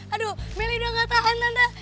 aduh meli udah nggak tahan tante